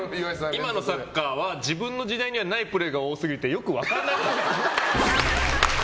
今のサッカーは自分の時代にはないプレーが多すぎてよく分からないっぽい。